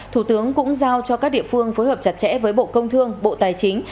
thủ tướng cũng giao cho các địa phương phối hợp chặt chẽ với bộ công thương bộ tài chính